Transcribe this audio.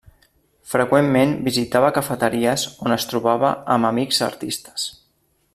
Freqüentment visitava cafeteries on es trobava amb amics artistes.